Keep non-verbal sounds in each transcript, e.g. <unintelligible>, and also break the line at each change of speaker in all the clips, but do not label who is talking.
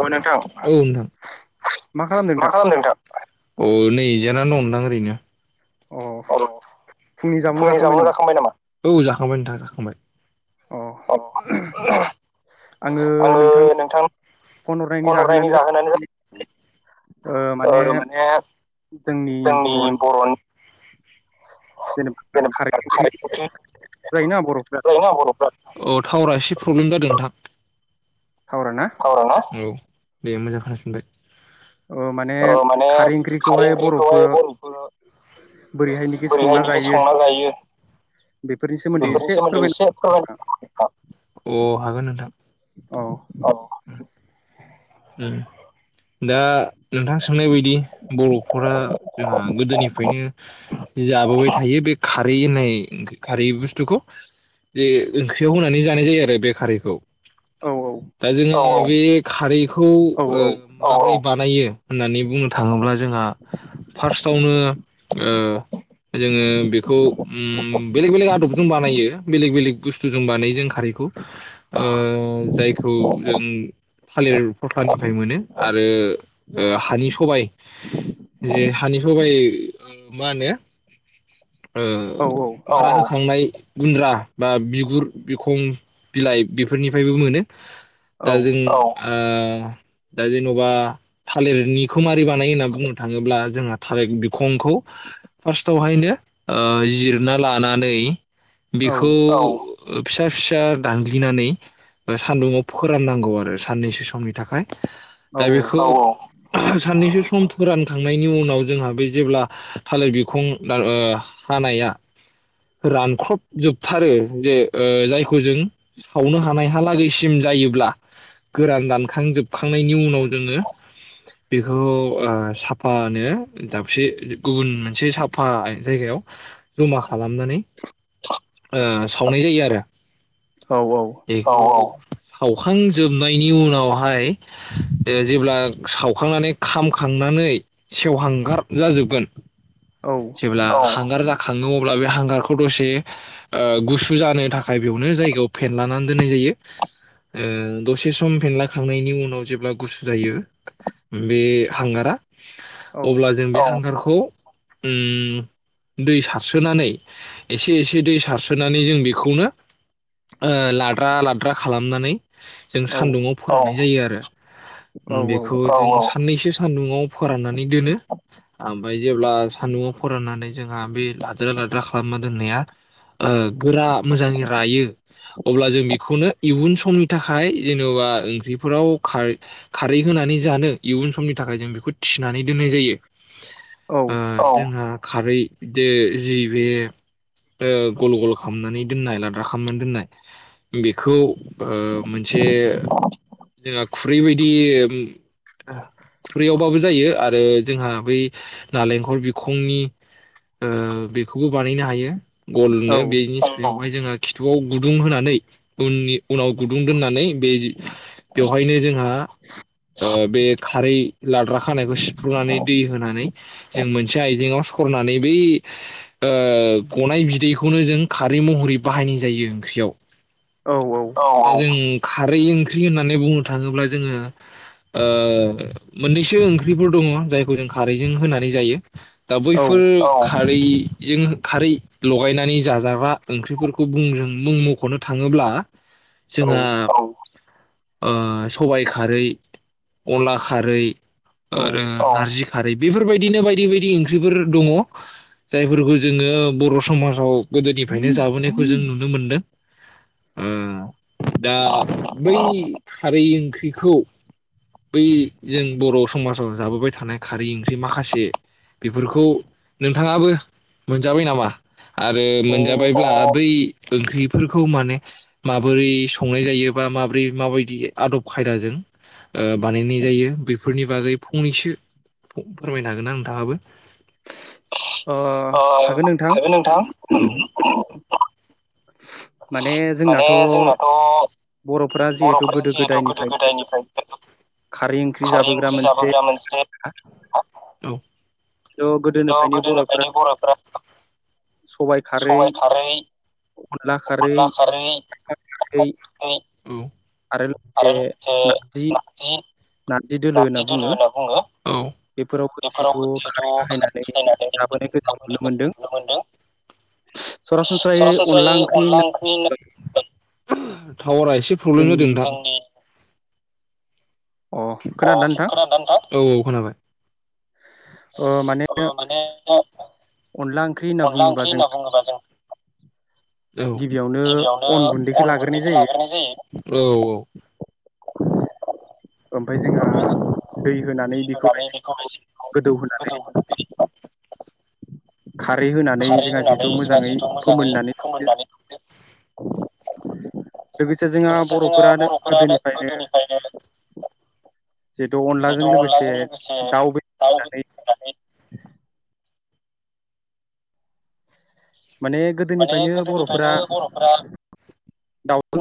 औ नोंथां मा खालामदों नोंथां? औ नै जिरायनि दं नोंथां ओरैनो। अ फुंनि जामु जाखांबाय नामा? औ जाखांबाय नोंथां खांबाय। अ आङो नोंथां नो कल हरनायनि जाहोनानो ओ माने जोंनि बर'नि
<unintelligible> जेने
<inaudible>
जायोना बर'फ्रा
टावारा एसे प्रब्लेम जादों नोंथां।
सावराना
टावाराना औ। दे मोजां खोनासंदो। ओ माने
खारै
खारै
ओंख्रिखौहाय बर'फोर
ओंख्रिखौहाय बर'खौ
संना
बोरैहायनोखि स <inaudible>
जायो बेफोरनि सोमोन्दै एसे फोरमायनो नोंथां
अ हागोन नों औ। उम दा नोंथां सोंनाय बायदि बर'फोरा जोंहा गोदोनिफ्रायनो जाबोबाय हायो बे खारै होन्नाय खारै बुस्थुखौ जे ओंख्रियाव होनानै जानाय जायो आरो बे खारैखौ।
औ
दा जोङो बे खारै खौ
औ
ओ बानायो होन्नानै बुंनो थाङोब्ला जोंहा फार्स्टआवनो ओ जोङो बेखौ उम बेलेग बेलेग आदबजों बानायो। बेलेग बेलेग बुस्थुजों बानाय खारैखौ ओ जायखौ जों लांदां थालिर फसलानिफ्राय मोनो आरो ओ हानि सबाय ए हानि सबाय मा होनो
औ
ओ खांनाय गुन्द्रा बा बिगुर बिखं बिलाय बेफोरनिफ्रायबो मोनो दा
औ
जों ओ दा जेनबा थालिरनि खुमारि बानाय होन्ना बुङो थाङोब्ला जोंहा थालिर बिखंखौ फार्स्टआवहायनो ओ जिरना लानानै
औ
बेखौ फिसा फिसा दानग्लिनानै ओ सान्दुुंङाव फोराननांगौ आरो सान्नैसो समनि थाखाय दा बेखौ औ औ साननैसो सम फोरान खांनायनि उनाव जोंहा बे जेब्ला थालिर बिखं ओ हानाया रानख्रब जोबथारो जे ओ जायखौ जों सावनो हानायहालागैसिम जायोब्ला गोरान दान खांजोब खांनायनि उनाव जोङो बेखौ ओ साफानो दाबसे गुबुन मोनसे साफा जायगायाव जमा खालामनानै ओ सावनाय जायो आरो बा
औ
बेखौ औ औ सावखां जोबनायनि उनाव हाय जेब्ला सावखांनानै खामखांनानै सेवहांगार जाजोबगोन जेबोला हांगार जा खाङो अब्ला बे हांगारखौ दसे ओ गुसु जानो थाखाय बेयावनो जायगायाव फेनलानानै दोननाय जायो ओ दसे सम फेनला खांनायनि उनाव जेब्ला गुसु जायो बे हांगारा
औ
अब्ला जों बे हांगार खौ उम दै सारसोनानै एसे एसे दै सारसोनानै जों बेखौनो ओ लाद्रा लाद्रा खालामनानै जों
औ
सान्दुंङाव होननाय जायो आरो बेखौ <unintelligible> साननैसो सान्दुङाव फोराननानै दोनो ओमफ्राय जेब्ला सान्दुङआव फोराननानै जोंहा बे लाद्रा लाद्रा खालामना दोननाया गोरा मोजां रायो अब्ला जों बेखौनो इयुन समनि थाखाय जेनेबा ओंख्रिफोराव खा खारै होनानै जानो इयुन समनि थाखाय जों बेखौ थिनानै दोननाय जायो। <unintelligible> खारै जि बे गल गल खालामनानै दोननाय लाद्रा खालामनानै दोननाय बेखौ मोनसे जोंहा खुरै बदि खुरैयावबाबो जायो आरो जोंहा बै नालेंखर बिखंनि बेखौबो बानायनो हायो। गलनो बेनिस ओमाय जोङो खिथुआव गुदुं होनानै उननि उनाव गुदुं दोननानै बे
औ
बेवहायनो जों <unintelligible> बे खारै लाद्रा खानायखौ सिफ्रुनानै दै होनानै जों मोनसे आइजेंआव सरनानै बै गनाय बिदैखौनो जों खारै महरै बाहायनाय जायो ओंख्रियाव औ जों खारै ओं ओंख्रि होननानै बुंनो थाङोब्ला जोङो मोननैसो ओंख्रिफोर दङ जायखौ जों खारैजों होनानै जायो। दा बैफोर खारैजों खारै लगायनानै जाजाग्रा ओंख्रिफोरखौ मुं मखनो थाङोब्ला
औ
जोंहा ओ सबाय खारै अनला खारै
औ
आरो नारजि खारै बेफोरबायदिनो बायदि बायदि ओंख्रिफोर दङ जायफोरखौ जोङो बर' समाजाव गोदोनिफ्रायनो जाबोनायखौ जों नुनो मोनदों ओ दा बै खारै ओंख्रिखौ बै जों बर' समाजाव जाबोबाय थानाय खारै ओंख्रि माखासे बेफोरखौ नोंथाङाबो मोनजाबाय नामा? आरो
अ ओ
मोनजाबायब्ला बै ओंख्रिफोरखौ माने माबोरै संनाय जायो बा माब्रै माबायदि आदब खायदाजों ओ बानायनाय जायो बेफोरनि बागै फंनैसो फोरमायनो हागोन ना नोंथाङाबो? अ हागोन नोंथां।
माने
माने
जोंनाथ'
जोंनाथ
बर'फोरा जिहेथु
बर'फोरनि
गोदो
जिहेथु गोदो
गोदायनिफ्रायनो
गोदायनिफ्रायनो
खारै ओंख्रि
खारै
जाबोग्रा
ओंख्रि
मोनसे
जाबोग्रा मोनसे <unintelligible>
थ' बर'फ्रा
गोदोनिफ्रायनो बर'फोरा सबायाइ खारै अनला खारै
खारै
लाफा खारै आरो ओ लोगोसे नारजि नारजि दोलो होनना बुङो
बेफोरावबो
बेफोराव
जिहेथु खारै
गोदोथ'
बाहायनानै जाबोनायखौ जों नुनो
<unintelligible> नुनो मोनदों सरासनस्रायै अनला ओंख्रै <unintelligible> टावारा एसे प्रब्लेम जादों
जोंनि
नोंथां ।
अ
अ
खोनादोंना नोंथां
खोनादों ना नोंथां? औ खोनाबाय ।
ओ माने
ओ माने
ओंख्रि होनना
अनला
बुङोबा
ओंख्रि
जों
होनना बुङोबा जों औ गिबियावनो अन गुन्दैखौ लाग्रोनाय जायो औ औ ।
ओमफाय जोंहा दै होनानै बेखौहाय जों गोदौहोनानै
खारै होनानै
जिहेथु
जोंहा
मोजाङै
जिहेथु मोजाङै
फोमोननानै
फोमोननानै लायो लोगोसे जोंहा बर'फोरानो गोदोनिफ्रायनो
अनलाजों
जिहेथु
लोगोसे
अनलाजों लोगोसे
बे
दाउ
होनानै
बेदर होनानै
<inaudible> माने
माने
गोदोनिफ्रायनो बर'फोरा
गोदोनिफ्रायनो बर'फोरा
दाउखौ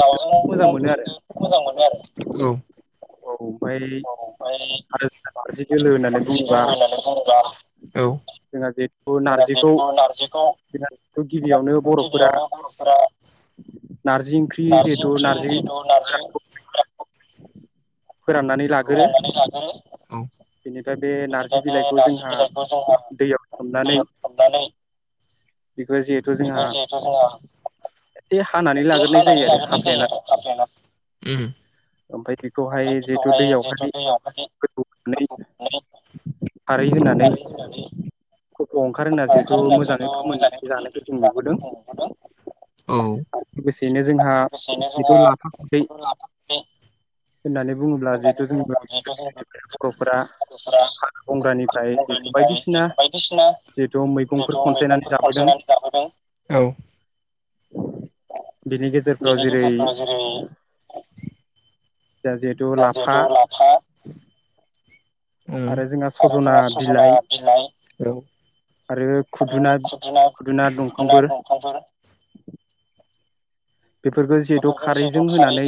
दाउजों
मोजां मोनो आरो
अनलाजों मोजां मोनो आरो
ओमफाय
औ
आरो
ओमफ्राय
जोंहा दोलो होननानै
नारजि
बुङोबा
दोलो होननानै बुङोबा औ
जोंहा नारजिखौ
नारजिखौ
गिबियावनो बर'फोरा नारजि ओंख्रि
नारजि
जिहेथु
ओंख्रि
नारजि
जिहेथु नारजि
गोरानखौ फोराननानै
औ
लाग्रो
फोराननानै लागोरो औ
बेनिफ्राय बे
।
नारजि
बिदिबाथ'
बिलाइखौ
नारजि
जोंहा
बिलाइखौ जोंहा
दैयाव सोमनानै
दैयाव सोमनानै
बेखौ जिहेथु जोंहा
बेखौ जिहेथु जोंहा
एसे हानानै
बे
लाग्रोनाय जायो
हानानै
आरो
लाग्रोनाय जायो आरो हाफ्लेना उम
ओमफाय बेखौहाय जिहेथु दैयावहाय गोदौ होनानै खारै होनानै। खफ' ओंखार होना
खफ
जिहेथु
ओंखार होनना
मोजाङै
जिहेथु मोजाङै
फोमोननानै जानायखौ जों
फोमोननानै
नुबोदों
जानायफोरखौ नुबोदों, औ
लोगोसेयैनो जोंहा
लोगोसेनो
जिथु
जोंहा
लाफा खुदै
बेखो लाफा बे
होननानै बुङोब्ला
होननानै
जिहेथु जों
बुङोब्ला जिहेथु जों
बर'फोरा
बर'फोरा
हाग्रा बंग्रानिफ्राय जिहेथु
गोदोनिफ्राय
बायदिसिना
जितु बायदिसिना
जिहेथु मैगंफोर
जिथु
खनसायनानै
मैगंफोर
जाबोदों
खनसायनानै लाबोदों औ
बिनि गेजेरफ्राव
बेनि
जेरै
गेजेरफ्राव जेरै
जिहेतु लाफा
था उम
आरो जोंहा
आरो
सजना
जोंहा सजना बिलाइ औ
आरो खुदुना खुदुना दंफांफोर । बेफोरखौ जिहेथु खारैजों होनानै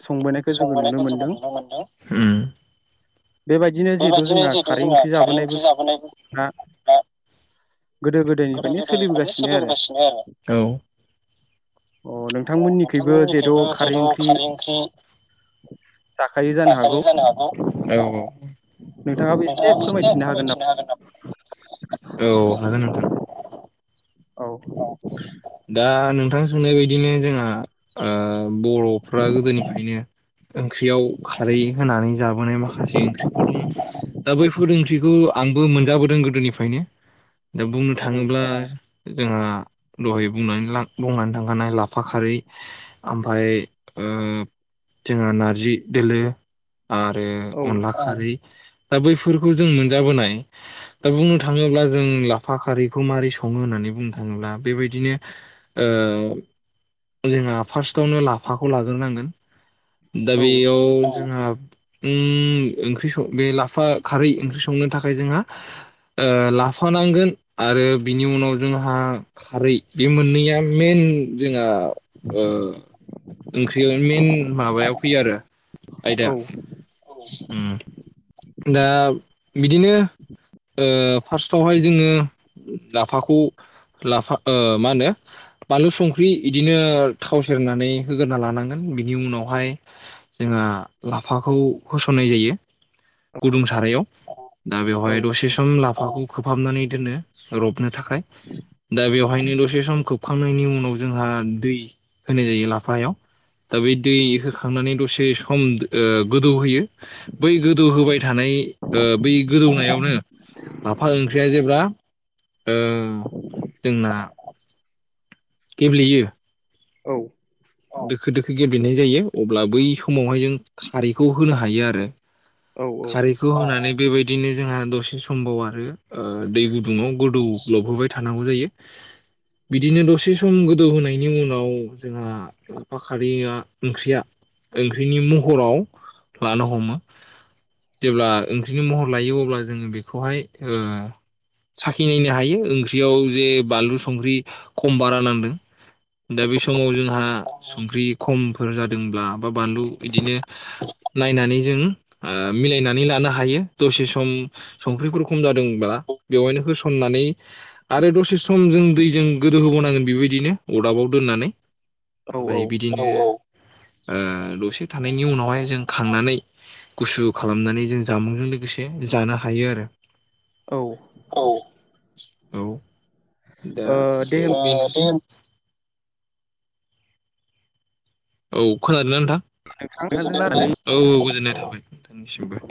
संबोनायखौ जोङो नुनो
संबोनायखौ जोङो
मोनदों
नुनो मोनदों,
बेबायदिनो जिहेथु जोंहा खारै ओंख्रि जाबोनायबो ना, गोदो गोदायनिफ्रायनो सोलिबोगासिनो आरो
औ
अ नोंथांमोननिखैबो जेथ' खारै ओंख्रि,
जि जाखायो जानो हागौ औ नोंथाङाबो एसे फोरमायथिनो हागोन नामा? औ हागोन नोंथां, <unintelligible>
औ
दा नोंथां सोंनाय बायदिनो जोंहा बर'फ्रा गोदोनिफ्रायनो ओंख्रियाव खारै होनानै जाबोनाय माखासे ओंख्रिफोर दङ दा बैफोर ओंख्रिखौ आंबो मोनजाबोदों गोदोनिफ्रायनो, दा बुंनो
औ
थाङोब्ला, जोंहा दहायनानै बुंनानै ला बुंनानै थांखानाय लाफा खारै ओमफ्राय ओ जोंहा नारजि दोलो, आरो
औ
अनला खारै, दा बैफोरखौ जों मोनजाबोनाय दा बुंनो थाङोब्ला जों लाफा खारैखौ माबोरै सङो होननानै, बुंनो थाङोब्ला बेबायदिनो ओ जोंहा फार्स्टआवनो लाफाखौ लाग्रोनांगोन, दा बेयाव जोंहा, ओम ओंख्रिखौ बे लाफा खारै ओंख्रि संनो थाखाय जोंहा ओ लाफा नांगोन आरो बिनि उनाव जोंहा खारै बे मोननैया मेइन जोंहा ओ ओंख्रि मेइन माबायाव फैयो आरो
औ
ओम दा बिदिनो ओ फार्स्टआवहाय जोङो लाफाखौ लाफा ओ होनो बानलु संख्रि इदिनो थाव सेरनानै होगोरना लानांगोन बिनि उनावहाय जोंहा लाफाखौ होसननाय जायो। गुदुं सारायाव दा बेवहाय
औ
दसे सम लाफाखौ खोबहाबनानै दोनो रबनो थाखाय दा बेवहायनो दसे सम खोबखांनायनि उनाव जोंहा दै होनाय जायो लाफायाव दा बे दै होखांनानै दसे सम ओ गोदौ होयो बै गोदौ होबाय थानाय ओ बै गोदौनायावनो लाफा ओंख्रिया जेब्ला ओ जोंना गेब्लेयो
औ
दोखो दोखो गेब्लेनाय जायो अब्ला बै समावहाय जों खारैखौ होनो हायो आरो खारैखौ होनानै बेबायदिनो जोंहा दसे समबाव आरो दै गुदुङाव गोदौ लबहोबाय थानांगौ जायो बिदिनो दसे सम गोदौहोनायनि उनाव जोंहा लाफा खारिया ओंख्रिया ओंख्रिनि महराव लानो हमो जेब्ला ओंख्रिनि महर लायो अब्ला जोङो बेखौहाय ओ साखिनायनो हायो ओंख्रियाव जे बानलु संख्रि खम बारा नांदों दा बे समाव जोंहा संख्रि खमफोर जादोंब्ला बा बानलु इदिनो नायनानै जों ओ मिलायनानै लानो हायो दसे सम संख्रिफोर खम जादोंब्ला बेवहायनो होसननानै आरो दसे सम जों दैजों गोदौ होबावोनांगोन बेबायदिनो अरदाबाव दोननानै।
औ
ओमफाय बिदिनो। ओ दसे थानायनि उनावहाय जों खांनानै गुसु खालामनानै जों जामुंजों लोगोसे जानो हायो आरो।
औ।
औ दा
औ दे होमबा
<unintelligible> औ खोनादोंना नोंथां?
नोंथां नोंथांजों रायलायनानै
औ औ गोजोननाय थाबाय। नोंथांनिसिमबो।